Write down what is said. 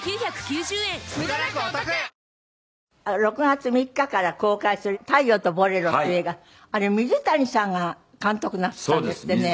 ６月３日から公開する『太陽とボレロ』っていう映画あれ水谷さんが監督なすったんですってね。